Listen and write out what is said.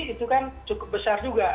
itu kan cukup besar juga